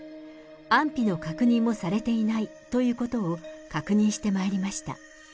安否の確認もされていないということを確認してまいりました。